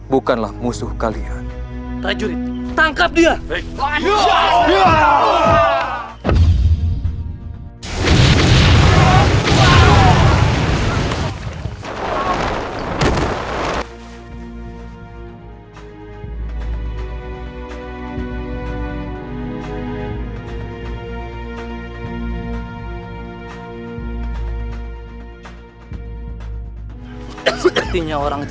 bukanlah musuh kalian